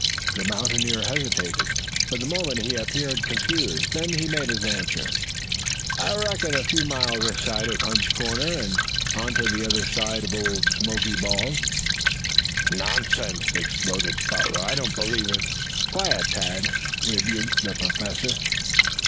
The mountaineer hesitated. For the moment he appeared confused. Then he made answer. "I reckon a few miles this side of Hunt's Corners and on to the other side of old Smoky Bald." "Nonsense!" exploded Butler. "I don't believe it." "Quiet, Tad," rebuked the Professor.